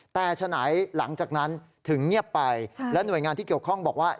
แต่ฉะนั้นหลังจากนั้นถึงเงียบไปและหน่วยงานที่เกี่ยวข้องบอกว่า